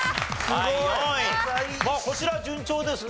こちらは順調ですね。